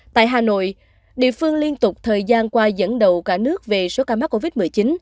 tại hà nội địa phương liên tục thời gian qua dẫn đầu cả nước về số ca mắc covid một mươi chín